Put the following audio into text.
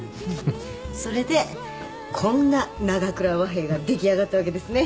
それでこんな長倉和平が出来上がったわけですね。